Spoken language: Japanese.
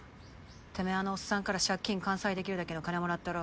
てめぇあのおっさんから借金完済できるだけの金もらったろ。